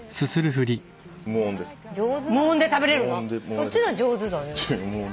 そっちのが上手だね。